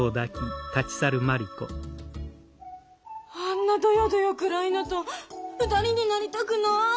あんなどよどよ暗いのと２人になりたくない。